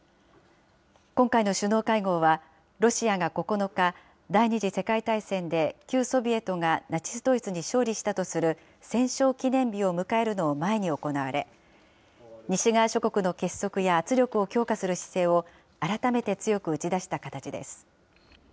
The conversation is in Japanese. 今回の首脳会合は、ロシアが９日、第２次世界大戦で旧ソビエトがナチス・ドイツに勝利したとする戦勝記念日を迎えるのを前に行われ、西側諸国の結束や圧力を強化する姿勢を改めて強く打ち出した形です。